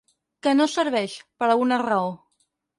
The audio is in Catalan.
Que no serveix, per alguna raó.